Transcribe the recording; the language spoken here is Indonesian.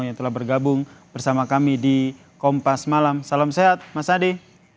yang telah bergabung bersama kami di kompas malam salam sehat mas ade